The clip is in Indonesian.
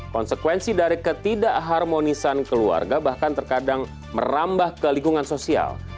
konsekuensi dari ketidakharmonisan keluarga bahkan terkadang merambah ke lingkungan sosial